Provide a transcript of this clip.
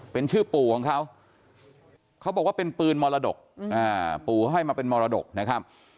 เป็นชื่อปู่ของเขาเขาบอกว่าเป็นปืนมรดกปู่ให้มาเป็นมรดกนะครับ